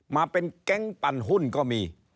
มาเป็นแก๊งปั่นหุ้นก็มี